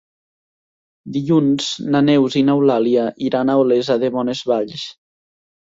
Dilluns na Neus i n'Eulàlia iran a Olesa de Bonesvalls.